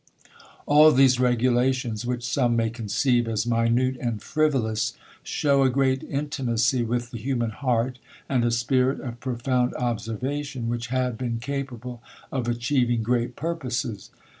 All these regulations, which some may conceive as minute and frivolous, show a great intimacy with the human heart, and a spirit of profound observation which had been capable of achieving great purposes.